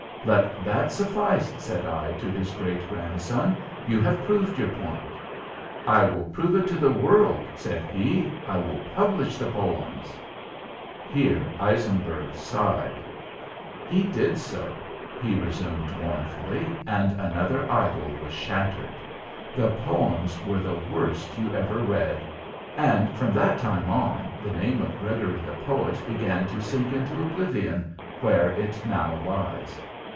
"'Let that suffice,' said I to his great grandson. 'You have proved your point.' "'I will prove it to the world,' said he. 'I will publish the poems.'" Here Eisenberg sighed. "He did so," he resumed mournfully, "and another idol was shattered. The poems were the worst you ever read, and from that time on the name of Gregory the poet began to sink into oblivion, where it now lies.